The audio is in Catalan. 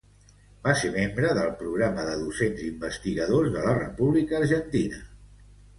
Va ser membre del Programa de Docents Investigadors de la República Argentina.